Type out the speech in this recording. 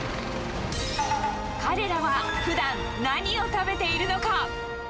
彼らはふだん、何を食べているのか。